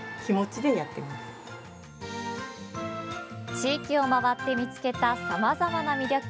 地域を回って見つけたさまざまな魅力。